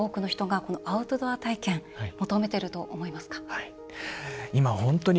青木さんはなぜ今、多くの人がアウトドア体験求めていると思いますか？